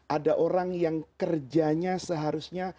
ada orang yang kerjanya seharusnya